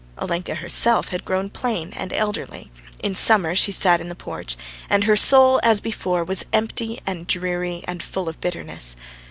Olenka herself had grown plain and elderly; in summer she sat in the porch, and her soul, as before, was empty and dreary and full of bitterness.